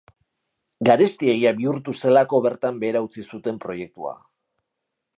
Garestiegia bihurtu zelako bertan behera utzi zuten proiektua.